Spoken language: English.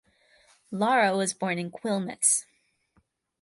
Lara was born in Quilmes.